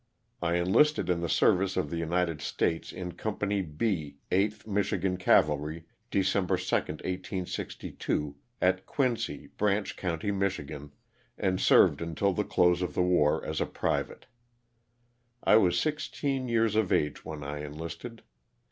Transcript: I enlisted in the service of the United States in Company B, 8th Michigan Cavalry, Dec 2, 1862, at Quincy, Branch county, Mich., and served until the close of the war as a private. I was sixteen years of age when I enlisted.